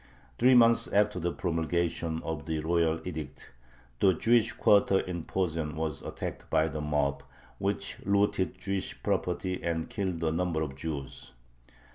Three months after the promulgation of the royal edict the Jewish quarter in Posen was attacked by the mob, which looted Jewish property and killed a number of Jews.